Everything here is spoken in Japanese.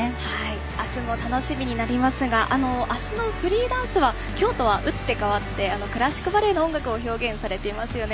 あすも楽しみになりますがあすのフリーダンスはきょうとは打って変わってクラシックバレエの音楽を表現されてますよね。